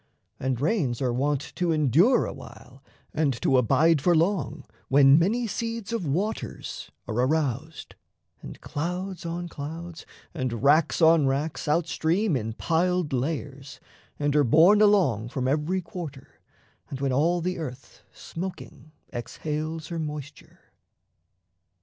And rains are wont To endure awhile and to abide for long, When many seeds of waters are aroused, And clouds on clouds and racks on racks outstream In piled layers and are borne along From every quarter, and when all the earth Smoking exhales her moisture.